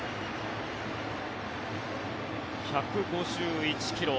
１５１ｋｍ。